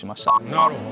なるほど。